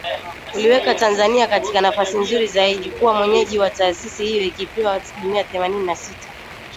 uliiweka Tanzania katika nafasi nzuri zaidi kuwa mwenyeji wa taasisi hiyo ikipewa asilimia themanini na sita.